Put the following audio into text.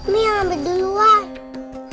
mi yang ambil duluan